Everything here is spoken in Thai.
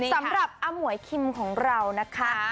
สำหรับอมวยคิมของเรานะคะ